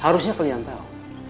harusnya kalian tau